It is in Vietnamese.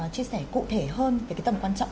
chia sẻ cụ thể hơn về cái tầm quan trọng